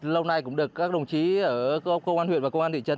lâu nay cũng được các đồng chí ở công an huyện và công an thị trấn